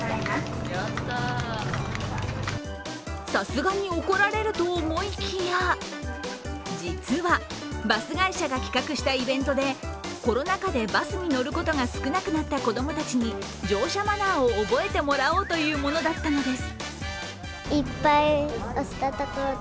さすがに怒られると思いきや実はバス会社が企画したイベントでコロナ禍でバスに乗ることが少なくなった子供たちに乗車マナーを覚えてもらおうというものだったのです。